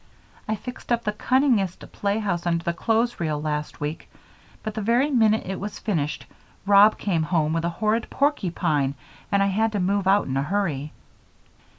I fixed up the cunningest playhouse under the clothes reel last week, but the very minute it was finished Rob came home with a horrid porcupine and I had to move out in a hurry."